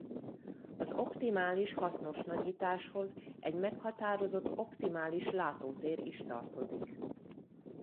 Az optimális hasznos nagyításhoz egy meghatározott optimális látótér is tartozik.